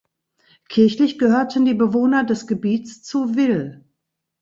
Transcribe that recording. Kirchlich gehörten die Bewohner des Gebiets zu Wil.